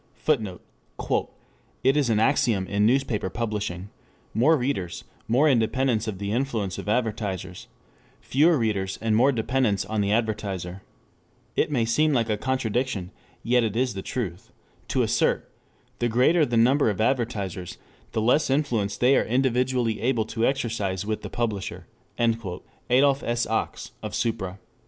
[Footnote: "It is an axiom in newspaper publishing 'more readers, more independence of the influence of advertisers; fewer readers and more dependence on the advertiser' It may seem like a contradiction (yet it is the truth) to assert: the greater the number of advertisers, the less influence they are individually able to exercise with the publisher." Adolph S. Ochs, _of. supra.